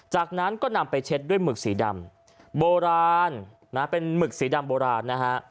จากนั้นก็นำไปเช็ดด้วยหมึกสีดำโบราณนะเป็นหมึกสีดำโบราณนะฮะ